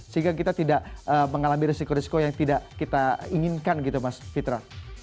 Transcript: sehingga kita tidak mengalami resiko risiko yang tidak kita inginkan gitu mas fitra